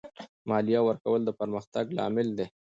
مالیه ورکول د پرمختګ لامل دی.